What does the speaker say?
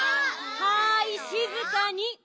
はいしずかに。